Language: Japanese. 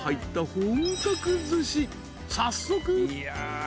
早速］